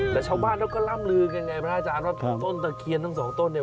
แต่ชาวบ้านเขาก็ล่ำลือกันไงพระอาจารย์ว่าถูกต้นตะเคียนทั้งสองต้นเนี่ย